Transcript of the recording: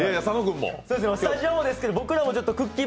スタジオもですけど、僕らもくっきー！